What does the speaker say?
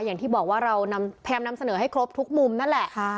อย่างที่บอกว่าเราพยายามนำเสนอให้ครบทุกมุมนั่นแหละ